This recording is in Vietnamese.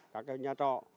các nhà trọ